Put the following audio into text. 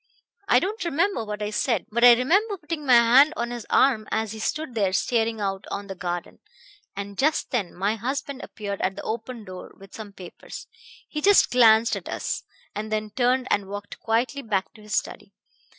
I don't remember what I said, but I remember putting my hand on his arm as he stood there staring out on the garden; and just then my husband appeared at the open door with some papers. He just glanced at us, and then turned and walked quietly back to his study.